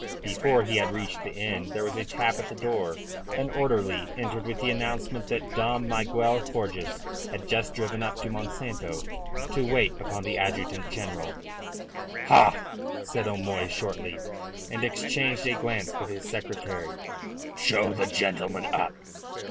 Before he had reached the end there was a tap at the door. An orderly entered with the announcement that Dom Miguel Forjas had just driven up to Monsanto to wait upon the adjutant general. "Ha!" said O'Moy shortly, and exchanged a glance with his secretary. "Show the gentleman up."